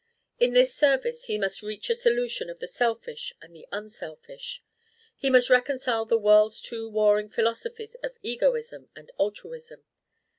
In this service he must reach a solution of the selfish and the unselfish; he must reconcile the world's two warring philosophies of egoism and altruism.